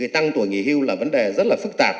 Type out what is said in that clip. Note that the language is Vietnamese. tăng tuổi nghỉ hưu là vấn đề rất phức tạp